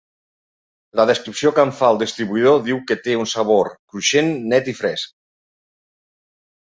La descripció que en fa el distribuïdor diu que té un "sabor cruixent, net i fresc".